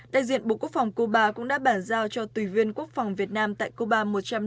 đại diện bộ quốc phòng cuba cũng đã bản giao cho tùy viên quốc phòng việt nam tại cuba